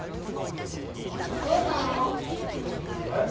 どうしたの？え？